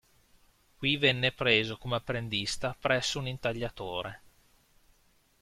Qui venne preso come apprendista presso un intagliatore.